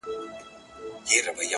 چي تل نوي کفن کښ یو زورولي!!